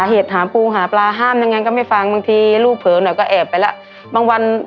เห็นบอกว่าป่วยขนาดนี้นะสู้อะ